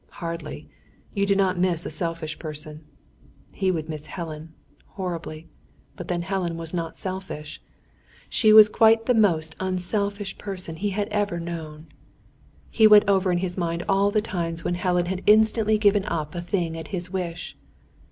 Hardly. You do not miss a selfish person. He would miss Helen horribly; but then Helen was not selfish. She was quite the most unselfish person he had ever known. He went over in his mind all the times when Helen had instantly given up a thing at his wish.